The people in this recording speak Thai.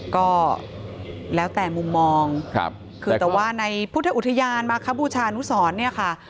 ก็แล้วแต่มุมมองคือแต่ว่าในพุทธอุทยานมาคบูชานุสรเนี่ยค่ะ